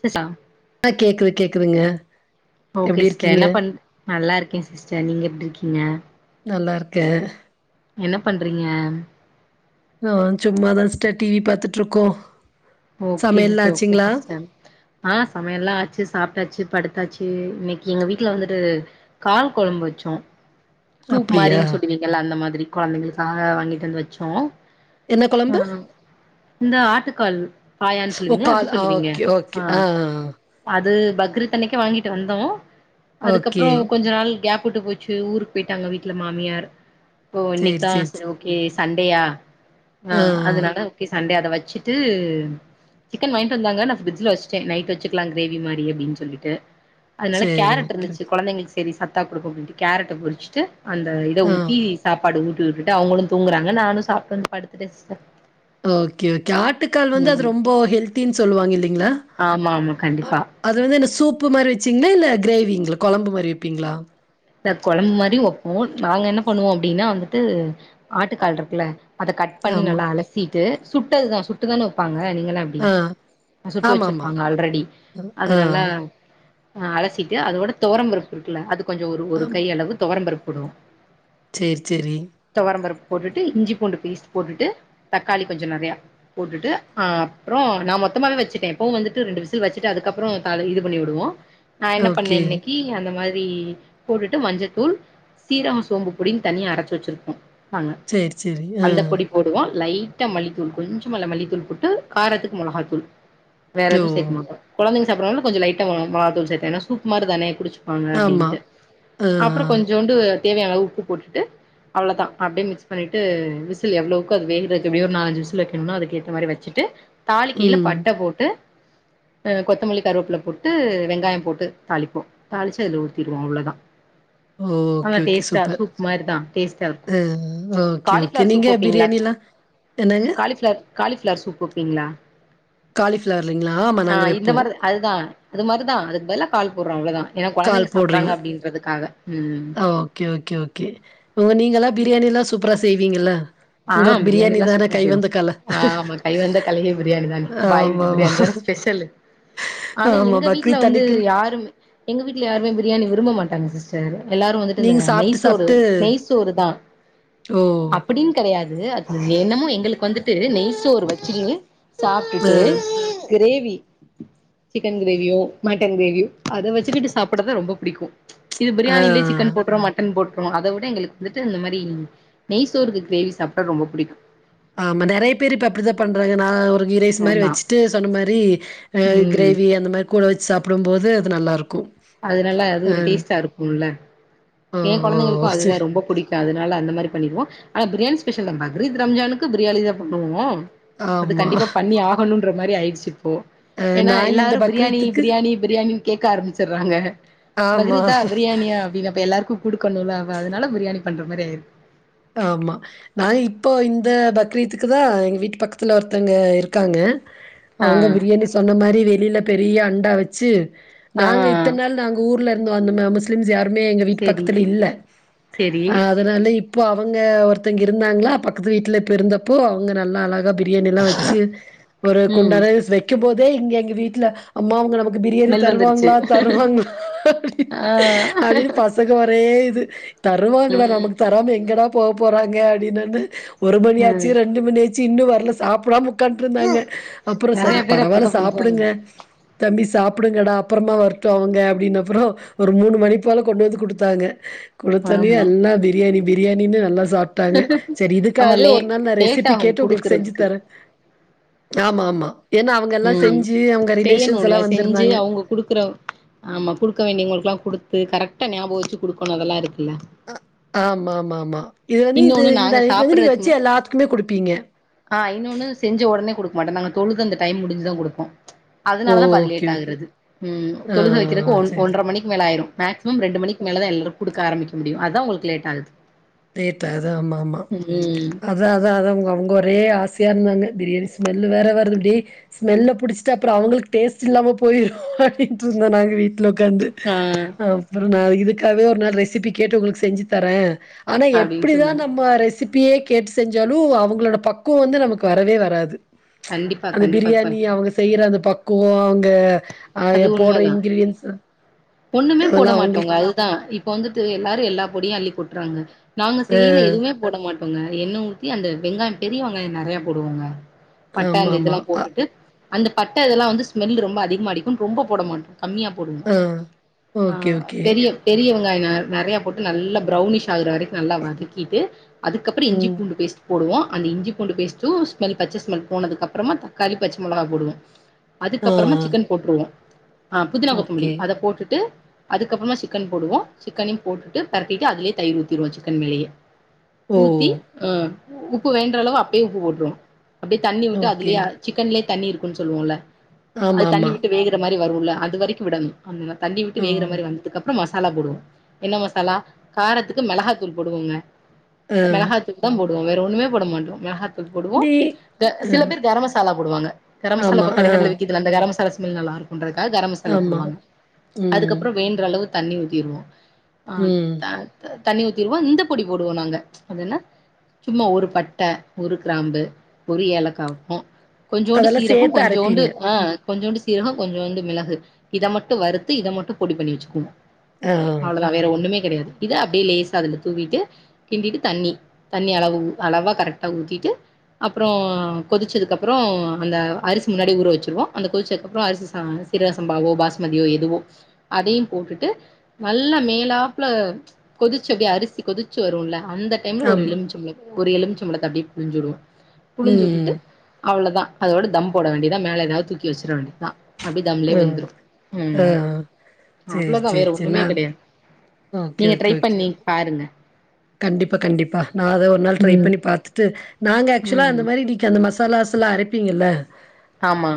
சிஸ்டா ஆ கேக்குது கேக்குதுங்க [inaudible] ஓகே எப்டி சிஸ்டர் இருக்கீங்க என்ன பண் நல்லா இருக்கேன் சிஸ்டர் நீங்க எப்படி இருக்கீங்க நல்லா இருக்கேன் என்ன பண்றீங்க ஆ சும்மாதா சிஸ்டர் டிவி பார்த்துட்டு இருக்கோம் ஓகே சிஸ்டர் ஓகே சிஸ்டர் ஆ சமையல்லா ஆச்சு சாப்ட்டாச்சு படுத்தாச்சு இன்னைக்கு எங்க வீட்ல வந்துட்டு கால் குழம்பு வச்சோம் சூப் அப்டியா மாரின்னு சொல்லுவீங்கல்ல அந்த மாரி கொழந்தைங்களுக்காக வாங்கிட்டு வந்து வச்சோம் என்ன கொழம்பு இந்த ஆட்டுக்கால் பாயான்னு ஓ சொல்லுவீங்கல்ல எப்டி கால் ஆ சொல்லுவீங்க ஓகே ஓகே ஆ ஆஹ் அது பக்ரித் அன்னிக்கே வாங்கிட்டு வந்தோ ஓகே அதுக்கப்புறோ கொஞ்ச நாள் கேப் கூட்டுப் போச்சு ஊருக்கு போயிட்டாங்க வீட்டுல மாமியார் ஓ சேரி இன்னைக்க சேரி சே செரி ஓகே சண்டையா ஆ ஆஹ் அதனால ஓகே சண்டே அத வச்சிட்டு சிக்கன் வாங்கிட்டு வந்தாங்க நா பிரிட்ச்ல வெச்சுட்டே நைட் வெச்சுக்கலாம் கிரேவி மாரி அப்டின்னு சொல்லிட்டு அதனால சேரி கேரட் ஓகே இருந்துச்சு ஓகே கொழந்தைங்களூக் சேரி சத்தா குடுப்போ அப்டின்ட்டு கேரட்ட பொரிச்சிட்டு அந்த இத ஆ ஊத்தி சாப்பாடு ஊ ட்டுட்டு அவுங்களு தூங்குறாங்க நானும் சாப்ட்டு வந்து படுத்துட்டே சிஸ்டர் ஓகே ஓகே ஆட்டுக்கால் வந்து அது ம் ரொம்ப ரொம்போ ஹெல்த்தி சொல்லுவாங்க இல்லங்களா ஆமா ஆமா கண்டிப்பா அத வந்து சூப்பு மாரி வச்சீங்களா இல்ல கிரேவிங்களா கொழம்பு மாரி வெப்பீங்களா இந்த கொழம்பு மாரி வைப்போ நாங்க என்ன பண்ணுவோ அப்டின்னா வந்துட்டு ஆட்டுக்கால் இருக்குல அத கட் பண்ணி ஆமா நல்லா அலசிட்டு சுட்டதுதா சுட்டுதானே வைப்பாங்க நீங்கலாம் எப்டி ஆ சுட்டு ஆமா ஆமா வெச்சிருப்பாங்க ஆல்ரெடி அது ஆ நல்லா ஆஹ் அலசிட்டு அதோட தோரம்பருப்பு இருக்குல்ல அது கொஞ் ஒரு ஒரு கை அளவு துவரம்பருப்பு படும் செரி செரி போட்டுட்டு இஞ்சி பூண்டு பேஸ்ட் போட்டுட்டு தக்காளி கொஞ்சோ நெறைய போட்டுட்டு அஹ் அப்புறோ நா மொத்தமாவே வெச்சுப்பே எப்பவு வந்துட்டு ரெண்டு விசில் வெச்சுட்டு அதுக்கப்புறோ தாளி இது பண்ணி விடுவோ நான் என்ன பண்ணேன் ஓகே இன்னைக்கு அந்த மாரி ரி போட்டுட்டு மஞ்சத்தூள் சீரம் சோம்பு பொடின்னு தனியா அரைச்சு வெச்சிருப்போ பாங்க சரி, சரி. ஆ. அந்த பொடி போடுவோ லைட்டா மல்லித்தூள் கொஞ்சமா அதில மல்லித்தூள் போட்டு காரத்துக்கு மிளகாத்தூள் ஓ! வேறெது சேக்க மாட்டோ கொழந்தைங்க அப்புற வந்து கொஞ்ச லைட்டா மொ மொளகாதூள் சேத்தேனா ஏனா சூப் மாரி தானே குடிச்சு வாங்க ஆமா. அப்டின்ட்டு ஆ, ஆ. அப்புற கொஞ்சோண்டு தேவையானளவு உப்பு போட்டுட்டு அவ்ளதா அப்டியே மிக்ஸ் பண்ணிட்டு விசில் எவ்ளோக்கு அது வேகுறதுக்கு எப்டியு ஒரு நாலஞ்சு விசில் வெக்கணுனா அதுக்கேத்த மாதிரி வெச்சுட்டு தாளிக்கைய்ல ம். பட்ட போட்டு அ கொத்தமல்லி கருவேப்புல போட்டு வெங்காயம் போட்டு தாளிப்போ தாளிச்சு அதுல ஊத்திருவோ அவ்ளோதா ஓ நல்லா ஓகே ஓகே டேஸ்ட்டா சூப்பர் சூப் மாரிதா டேஸ்ட்டா இருக்கு then okay okay cauliflower soup நீங்க வப்பீங்களா பிரியாணிலா என்னங்க காலிஃபிளார் சூப் வெப்பிங்ளா காலிஃபிளார்லிங்ளா ஆமா நாங்க வெப்போ மாரி அதுதா அது மாரிதா அதுக்குபதிலா கால் போடறோ அவ்ளதா ஏனா கொழந்தைங்க கால் போடுறீங்க. சாப்பிடறாங்க அப்டின்றது க்காக ஓகே ஓகே ஓகே ஓ நீங்கெலா பிரியாணிலா சூப் பரா செய்விங்கல்ல ஆ பிரியாணிலா சூப்பரா செய்வோ ஆ ஆமா கை வந்த கலைலியே பிரியாணி தான பாய் வீட்டு ஆமாமா. பிரியாணி தான ஸ்பெஷலு ஆனா ஆமா. எங்க வீட்ல பக்ரீத் வந்து அன்னைக்குலாம் யாருமே எங்க வீட்ல யாருமே பிரியாணி விரும்ப மாட் டாங்க சிஸ்டர் எல்லாரு வந்துட்டு இந்த நீங்க சாப்ட்டு, நெய்சோறு சாப்ட்டு நெய்சோறுதா ஓ! அப்படின் து என்னமோ எங்களுக்கு வந்துட்டு நெய்சோறு வச்சு ஆ, சாப்ட்டுட்டு கிரேவி சிக்கன் கிரேவியோ மட்டன் கிரேவியோ அத வெச்சுக்கிட்டு சாப்படது ரொம்ப புடிக்கு இது பிரியாணிலயே ஆ. சிக்கன் போட்றோ மட்டன் போட் அத வுட எங்ளுக்கு வந்துட்டு இந்த மாரி நெய்சோறு கிரேவி சாப்ட்டா ரொம்ப புடிக்கு ஆமா நெறைய பேரு இப்ப அப்டித்தா பண்றாங்க நா ஒரு கீ ரைஸ் மாரி ஆமா வெச்சுட்டு சொன்ன மாரி அ ம் கிரேவி அந்த மாரி கூட வெச்சு சாப் டும்போது அது நல்லாருக்கு அத நல்ல அது ஒரு டேஸ்ட்டா இருக்குல்ல ஓ! எ கொழந்தைளுக்கு ஓ! அதுதா சரி. ரொம்ப புடிக்கு அதுனால அந்த மாரி பண்ணிருவோ ஆனா பிரியாணி அகேசன்ல பக்ரீத் ரம்ஜானுக்கு பிரியாணிதா பண்ணுவோ அது ஆமா. கண்டிப்பா பண்ணி ஆகணுன்ற மாரி ஆயி ருச்சு இப்போ அ ஏனா நாங்க இந்த எல்லாரு பிரியாணி பக்ரீத்துக்கு பிரியாணி பிரியாணினு கேக்க ஆரம்பிச் சறாங்க ஆமா, பக்ரீத்தா பிரியாணியா அப்டின் அப்ப எல்லாருக்கு குடுக்கணுல்ல அவ அதனால பிரியாணி பண்ற மாரி ஆயிரு ஆமா நா இப்போ இந்த பக்ரீத்துக்கு தா எங்க வீட்டு பக்கத்துல ஒருத்தவ்ங்க இருக்காங்க ஆ அவ்ங்க பிரியாணி சொன்ன மாரி வெ வெளில பெரிய அண்டா வச்சு நாங்க ஆ இத்தன் நாள் நாங்க ஊர் ல இருந்து வந்த ம முஸ்லிம்ஸ் யாருமே எங்க வீட்டு செரி பக்கத்துல இல்ல செரி அதனால இப் இப்ப அவுங்க ஒருத்தவ்ங்க இருந்தாங்ளா பக்கத்து வீட்ல இப்ப இருந்தப்போ அவ்ங்க நல்லா அழ கா பிரியாணியெல்லா வச்சு ஒரு குண்டா ம் ரைஸ் வைக்கம்போ தே இங்க எங்க வீட்ல அம்மா அவுங்க நமக் கு பிரியாணி ஸ்மெல் வந்துருச்சு தருவாங்ளா தருவாங்ளா அப்டின்னு ஆ அப்டின் பசங்க ஒரே இது தருவாங்கடா ம் நமக்கு தராம எங் எங்கடா போக போறாங்க அப்டின் நானு ஒரு மணியாச்சு ம் ரெண்டு மணியாச் இன்னு வரல சாப் புடாம ஒக்காட்டுருந்தாங்க, அப்புறோ நெறைய சரி பேர் பரவாயில்ல அப்டித்தா சாப்பிடுங்க பண்றாங்க தம்பி சாப் குடுங்கடா அப்புறமா வர்ட்டோ அவுங்க, அப்படின்ன அப்புறோ ஒரு மூணு மணி போல கொண்டு வந்து குடுத்தாங்க. குடுத்தொன்னேயே ஆமா எல்லா பிரியாணி பிரியாணின்னு நல்லா சா சாப்ட்டாங்க சரி ஆமா இதுக்காகவே லே ஒரு நாள் நா லேட் ரெசிபி ஆகு கேட்டு உங்களுக்கு செஞ்சு குடுக்குறதுக்கு தரேன். ஆமா ஆமா ஏன்னா அவங்க எல்லா ஹம் செஞ்சு அவங்க ரிலேஷன்ஸ் செய்யணும்ல எல்லா செஞ்சு வந்திருந்தாங்க அவங்க குடுக்குற ஆமா குடுக்க வேண்டியவங்களுக்கெல்லாம் குடுத் கரெக்டா ஞாபக வெச்சு குடுக்கணோ அதெல்லா இருக்கு. அ ஆமா ஆமா ஆமா இது வந்து இது இன்னொன்னு இந்த நாங்க இதுக்கு வந்து நீங்க வெச்சு சாப்புட்றதுக்கு எல்லாத்துக்குமே குடுப்பீங்க. ஆ இன்னொன்னு செஞ்ச உடனே குடுக்க மாட்டோ நாங்க தொழுது அந்த டைம் முடுஞ்சு தா குடுப்போ ஓ! அதுனாலதா பாதி ஓகே லேட் ஓகே ஆகுரது. ம் ஆ தொழுது வெக்கிறதுக்கு ஒன் சரி ஒன்றரை மணிக்கு மேல ஆயிரோ. மேக்சி ம் ரெண்டு மணிக்கு மேலதா எல்லா குடுக்க ஆரம்பிக்கும் முடியும் அதா உங்களுக்கு லேட் ஆகுது. [unintelligible] அது ஆம்மா ஆம்மா ம் அத அதான் அவுங்க அவுங்க ஒரே ஆச யா இருந்தாங்க பிரியாணி ஸ்மெல்லு வேற வருதுடி. ஸ்மெல்ல புடிச்சிட்டு அப்பறோ அவுங்களுக்கு டேஸ்ட்ல்லாம போயிரும் அப்டின்ட்டு இருந்தோ நாங்க வீட் டுல உடக்காந்து ஆ அப்புறோ நா இதுக்காவே ஒரு நாள் ரெசிபி கேட்டு உங்களுக்கு செஞ்சு தரே ஆனா அப்டின்னு எப்புடிதா சொன்னாங்க நம்ம ரெ--ரெ சிப்பியே கேட்டு செஞ்சாலும், அவுங்களோட பக்குவோ வந்து நமக்கு வரவே வராது. கண்டிப்பா அந்த கண்டிப்பா பா பிரியாணி அவுங்க செய்யுற அந்த பக் குவாங்க ஆ அது போடுற உண்மதா இன்கிரீடியன்ஸ், அதெல்லா அவுங்களுக் இப்போ வந்துட்டு எல்லாரும் எல்லா பொடியும் அள்ளிப் போட்டுறாங்க. நாங்க ஆ செய்ல எதுமே போட மாட் டோங்க எண்ணெ ஊத்தி அந்த வெங்காயம் பெரிய வெங்காயோ நெறையா போடுவோங்க. பட்ட ஆமா அந்த ஆமா இதெல்லா அ, போட்டுட்டு அந்த பட்டை இதெல்லா வந்து ஸ்மெல் ரொம்ப அதிகமா அடிக் ரொம்ப போடமாட்டோ கம்மியா போடுனு ஆ ஆ ஓகே ஓகே பெரிய பெரிய வெங் காயோ நெ நெறையா போட்டு நல்லா ஃபிரவுனிஸ் ஆகுற வரைக்கு நல்லா வதக்கீட்டு அதுக்கப்பறோ இஞ்சி ம் பூண்டு பேஸ்ட் போடுவோ அந்த இஞ்சி பூண்டு பேஸ்ட்டு ஸ்மெல் பச்ச ஸ்மெல் போனதுக்கு அப்றமா தக்காளி பச்ச மொளகா போடுவோ ஆ அதுக்கப்றமா ஆ சிக்கன் வா ஆஹ் புதினா கொத்தமல்லி ஓகே அத போட்டுட்டு அதுக்கப்றமா சிக்கன் போடுவோ சிக்கனையு போட்டுட்டு பெரட்டிட்டு அதுலயே தயிர் ஊத்திருவோ சிக்கன் மேலயே ஓ ஊத்தி ஆஹ் உப்பு வேன்றளவு அப்பயே உப்பு போட்ருவோ அப்டே தண்ணி விட்டு அதுலே ஆஹ் சிக்கன்லே தண்ணி இருக்குன் சொல்லுவோல ஆமா ஆமா ற மாரி வருல அது வரைக்கு விடணு ஆமங்க தண்ணி விட்டு ஆ வேகுற மாரி வந்ததுக்கப் ப்ற மசாலா போடுவோ என்ன மசாலா காரத்துக்கு மெளகாத்தூள் போடுவோங்க ஆ மெளகாத்தூள் தா போட் டுவோ வேற ஒன்னுமே போட மாட்டோ மெளகாத் தூள் போடுவோ டீ க அ சில பேர் கரமசாலா போடுவாங்க கரமசாலா ஆமா இப்ப ஆ கடைகள்ல விக்கிதுல அந்த கரமசாலா ஸ் மெல் நல்லா இருக் குன்றதுக்காக கரம் மசாலா ஆமா. போடுவாங்க ம் அதுக்கப்ற வேன்ற அளவுக் தண்ணி ஊத்திருவோ ஆஹ் ம் த த தண்ணி ஊத்துருவோ இந்த பொடி போடுவோ நாங்க அனா சும்மா ஒரு பட்டை ஒரு கிராம்பு ஒரு ஏலக்காய கொஞ்சோண்டு அதெல்லாம் சீரொக சேத்து கொஞ்சோண்டு அரைப்பீங்க. ஆஹ் கொஞ்சோண்டு சீரொக கொஞ்சம் வந்து மிளகு இதை மட்டும் வறுத்து இதை மட்டும் பொடி பண்ணி வச்சுக்குவோ ஆ அவ்ளோதா வேற ஒண்ணுமே கிடையாது இது அப்டி லேசா துல தூவிட்டு கின்டிட்டு தண்ணி தாண்ணி அளவு அலவா கரெடா உத்திட்டு அப்புறோ கொதிச்சதுக்குறோ அந்த அரிசி முன்னாடி ஊற வச்சுருவோ அந்த கொதிச்ச அப்றோ அரிசி சா சிறக சம்பாவோ பாஸ்மதியோ எதுவோ அதையும் போட்டுட்டு நல்லா மேலாப்பல கொதிச்ச அப்டியே அரிசி கொதிச்ச வருல அந்த டைம்ல ஒரு ஆமா. எலுமிச்சை பழ ஒரு எழுமிச்ச பழத அப்டியே புலிஞ்சுவிடுவோ புளிஞ்சு ம் விட்டுட்டு அவ்ளோதா அதோட தம் போடண்டியதா மேல ஏதாவது துகி வச்சிட வேண்டி த அபி தனளே ஆ வெந்துரு ஆ உம் சேரி அவ்ளோதா சேரி வேற சேரி ஒண்ணுமே நான் கிடையாது ஓகே நீங்க ஓகே ட்ரை ஓகே. பண்ணி பாருங்க கண்டிப்பா கண்டிப்பா நா அத ஒரு நாள் ட்ரை ம் பண்ணி பாத்துட்டு நாங்க ஆக்சுவலா அந்த ம் மாதிரி டிகே அந்த மசோ கலாசலா அரைப்பிங்கல ஆமா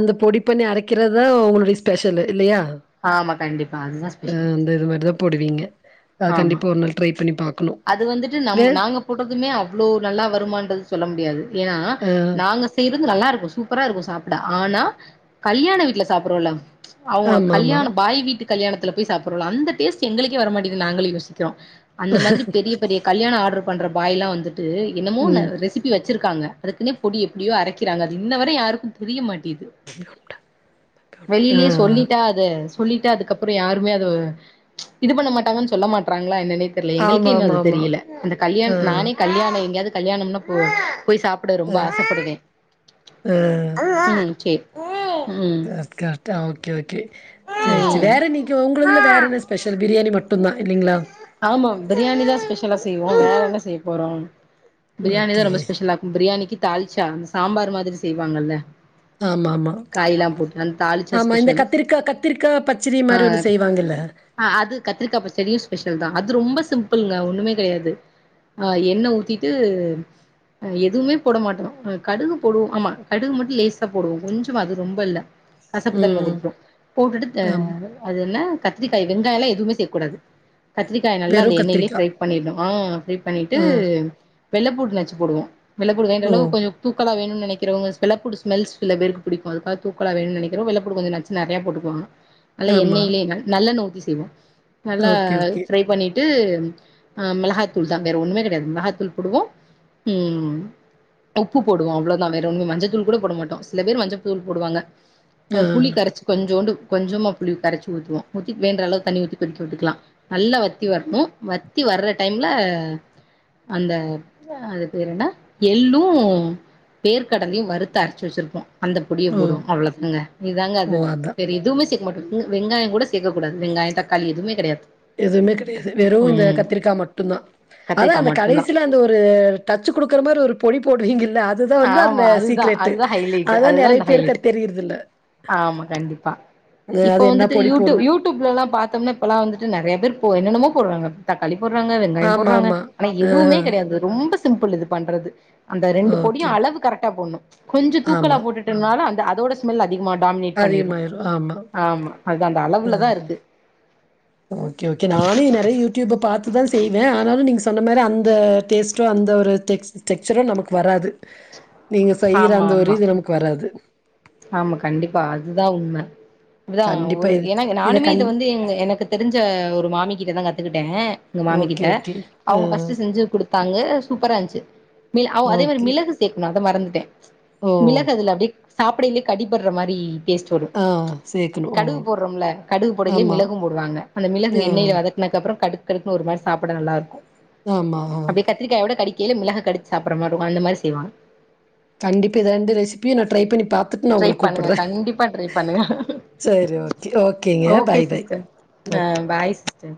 இந்த பொடி பண்ணி அரைக்கிறத தான் ஒங்களுடைய ஸ்பெஷலு இல்லையா ஆமா கண்டிப்பா அதுதா ஸ்பெஷல் அஹ் அந்த இது மாதிரிதான் போடுவீங்க அத ஆமா கண்டிப்ப ஒரு நாள் ட்ரை பண்ணி பாக் அது வந்துட்டு நம் நாங்க போடுறதுமே அவ்வளவு நல்லா வருமான்றது சொல்ல முடியாது ஏனா அ நாங்க செய் இதுநல்லா இருக்கு சூப்பரா இருக்கும் சாப்பிட ஆனா கல்யாண வீட்டுல சாப்ரோல அவ்ங்க ஆமா ஆமா கல்யாணோ பாய் வீட்டுக்கு கல்யாணத்துல போய் சாப்புறோல அந்தடேஸ்டு எங்களுக்கே வரமாட் இது நாங்களெ யோசிக்கிறோ அந்த மாதிரி பெரிய பெரிய கல்யணம் ஆர்டரு பண்ற வாயில்லா வந்துட் ன்டு என்னமோ நா ம் ரெசிபி வச் வச்சுருக்காங்க அதுக்குனே பொடி எப்டியோ அரைக்கிறாங்க அது இன்னவரை யாருக்குபுரிய மாட் ஆ வெளியிலே சொல்லிட்டா அது சொல்லிட்டு அதுக்கப்றோ யாருமே அத இது பண்ண மாட் ங்க சொல்ல மாற்றங்களா என்ன தெ தெர்ல எங்களுக்கே ஆமா இன்னு ஆமா அது ஆமா தெரியல இந்த கல்யாண் ஆ நானே கல்யாணம் எங்கயாவது கல்யாணம்னா போவோ போய் சாப்ட ரொம்ப அ ஆசப்படுவேன் ஆ ம் செரி [unintelligible] ஓகே ஓகே செரி செரி ம் வேற இனைக்கு உங்களுதுல வேற என்ன ஸ்பெஷல் பிரியாணி மட்டு மட்டுதான் இல்லிங்களா ஆமா பிரியாணி தான் ஸ்பெஷலா செய்வோம் வேற என்ன செய்ய போறோம் பிரியாணி தான் ஓகே ரொம்பஸ்பெஷலா ருக்கும் பிரியாணிக்கு தாளிச்சா அந்த சாம்பார் மாதிரி செய்வாங்கல்ல ஆமாமா காய்லா போட்டு அந்த தாளிச்சா ஆமா இந்த ஸ்பெஷல் கத்திரிக்கா கத்திரிக்கா பச்சிரி மாரி ஆ ஒண்ணு செய்வாங்கல்ல ஆ அது கத்திரிக்கா பச்சடியு ஸ்பெஷல் தா அது ரொம்ப சிம்பிளுங்க ஒண்ணுமே கிடையாது ஆஹ் எண்ணெய ஊத்திட்டு் எதுவுமே போட மாட்டோம் கடுகு போடுவோ ஆமா கடுகு மட்டும் லேசா போடுவோம் கொஞ்சமா அது ரொம்ப இல்ல கசப்பு ம் தன்மகொடுத்துரும் போட்டுட்டு ஆம் அது என்ன கத்திரிக்காய் வெங்காயல்லா எதுமே சேக்கூடாது கத்திரிக்காய் நல்லா வெறு அந்த எண்ணெய்லே கத்திரிக்கா ஃப்ரை பண்ணிட்ணு ஆ ஃப்ரை பண்ணீட்டு ஆ வெள்ள பூண்ட் நச்சு போடுவோ [unintelligible] ஓ கொஞ்சொ தூக்கலா வேனு நெனைக்கிறவுங்கஸ் வெள்ளப்பூண்டு ஸ்மெல் சிலபேருக்கு புடிக்கு அது பா தூக்கலா வேனு நினைக்கிற வெள்ளப்பூண்டு கொஞ்சொ நச்சு நறையா போட்டுக்குவாங்க நல்ல ஆமா எண்ணெயிலே ந நல்ல நோ [unintelligible] ஓகே ஓகே பண்ணீட்டு அ மிளஹாத்தூள் தா வேற ஒண்ணுமே கெடையாது மிளஹாத்தூள் போடுவோ ம் உப்பு போடுவோ அவ்ளோதா வேற ஒன்னு மஞ்சத்தூள் கூட போட மாட்டோ சில பேர் மஞ்சத்தூள் போடுவாங்க அ ஆ புளி கரச்சு கொஞ்சூண்டு கொஞ்சமா புளி கரச்சு ஊத்துவோ ஊத்தி வேன்றளவு தண்ணி ஊத்தி கொதிக்க விட்டுக்கலா நல்லா வத்தி வர்ணு வத்தி வர்ற டைம்ல அந்த அது பேரென்ன எள்ளு வேர்க்கடலையு வறுத்து அரச்சு வெச்சிருப்போ அந்த பொடிய ஓ போடுவோ அவ்ளோதாங்க இதாங்க அது ஓ அதா வேரெதுமே சே மட்டுங் வெங்காயங் கூட சேகக்கூடாது வெங்காயொ தக்காளி எதுமே கெடையாது எதுமே கெடையாது வெறு இந்த ம் கத்திரிக்கா மட்டுந்தா அதா கத்திரிக்கா அந்த மட்டுந்தா கடைசில அந்த ஒரு டச்சு குடுகுற மாரி ஒரு பொடி போடுறீங்கல்ல அத் ஆமா அதுதா அதுதா ஹைலைட்டு அதான் அதுதா நெறைய அந்த பேருக்கு ஹைலைட் அது தெரியறதில்ல. ஆமா கண்டிப்பா அ அது இப்ப என்ன வந்துட்டு பொடி யூட்டூ போடும் யூடூப்லல்லா பாத்தம்னா இப்பலா வந்துட்டு நறையா பேர் பொ என்னென்னமோ போட்றாங்க தக்காளி போடுறாங்க வெங்காயம் போடுறாங்க ஆமாமா. ஆனா ஆ எதுமே கெடையாது ரொம்பஸ் சிம்பிள் இது பண்றது அந்த ரெண்டு பொடிய ஓகே, ஓகே. அளவு கரெக்டா போட்ணு கொஞ்ச தூக்கலா ஆமா. போட்டுட்டம்னாலு த அதோட ஸ்மெல் அதிகமா டாமினேட் பண்ணீரு அதிகமாயிரும். ஆமா. ஆமா அதா அந்த அ அளவுல தா இருக்கு ஓகே ஓகே நானு நெறைய‌ யூடியூப பாத்துதா செய்வே ஆ ஆனாலு நீங்க சொன்ன மாரி அந்த டேஸ்ட்டு அந்த ஒரு டெக்ஸ் டெக்சரு நமக்கு வராது நீங்க செய்ற ஆமா அந்த ஒரு ஆமா இது நமக்கு வராது ஆமா கண்டிப்பா அதுதா உண்ம தா கண்டிப்பா ஒரு இது எனா நானுமே இத கண் வந்து எங் எனக்கு தெரிஞ்ச ஒரு மாமி கிட்டதாங் கத்துக்கிட்டே ங்க மாமி ஓகே, கிட்ட ஓகே. ஆ அவுங்க ஃபஸ்ட்டு செஞ்சு குடு பாங்க சூப்பராஞ்ச்சு மிள் அவ் அதே மாரி ஓகே. மிளகு சேக்னு த மறந்துட்டே ஓ மிளகு அதுல அப்டே சாப்பிடைலியே கடிபட்ற மாரி டேஸ்ட் வரு ஆ சேக்கணு ஓ கடுகு போட்றோம்ல கடுகு போடைலியே ஆமா மிளகும் போடுவாங்க அந்த மிளகு ஆ எண்ணெய்ல வதக்குனக் அப்றோ கடுக் கடுக்னு ஒரு மாரி சாப்பட நல்லாருக்கூ ஆமா ஆ அப்டே கத்திரிக்காயோட கடிக் கீழே மிளக கடிச்சு சாப்பற மார்ருக்கு [unintelligible] மாரி செய்வாங் கண்டிப்பா இது ரண்டு ரெசி ப்பியே நா ட்ரை பண்ணி பாத்துட் நா ட்ரை உங்ளுக் பண்ணுங்க கூப்பிட்றே கண்டிப்பா ட்ரை பண்ணுங்க செரி ஓகே ஓகேங்க ஓகே பாய் பாய் சிஸ்டர் ஆ ஓக் பாய் சிஸ்டர்